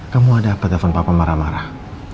kamu ada apa apa telfon papa marah marah